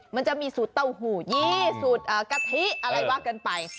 มันจะมีสูตรเต้าหู้ยี่สูตรกะทิอะไรว่ากันไป